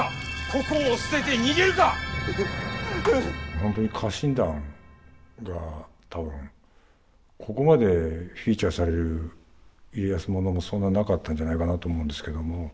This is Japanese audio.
本当に家臣団が多分ここまでフィーチャーされる家康物もそんななかったんじゃないかなと思うんですけども。